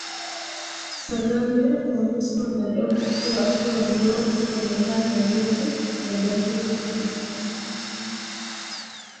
Kagame, Monusco , wanajua kuhusu waasi walio ndani ya jeshi la Jamuhuri ya Kidemokrasia ya Kongo